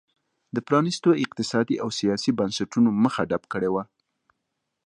د پرانیستو اقتصادي او سیاسي بنسټونو مخه ډپ کړې وه.